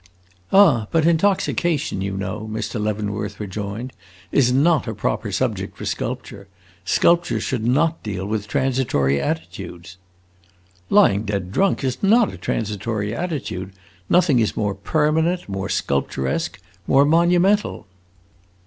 "Ah, but intoxication, you know," Mr. Leavenworth rejoined, "is not a proper subject for sculpture. Sculpture should not deal with transitory attitudes." "Lying dead drunk is not a transitory attitude! Nothing is more permanent, more sculpturesque, more monumental!"